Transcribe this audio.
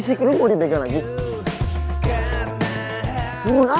sekarang kan lagi masih penculikan